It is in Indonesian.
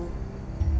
keluar dari sini